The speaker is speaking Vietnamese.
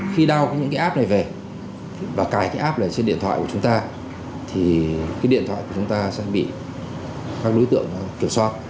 khi đao những cái app này về và cài cái app này trên điện thoại của chúng ta thì cái điện thoại của chúng ta sẽ bị các đối tượng kiểm soát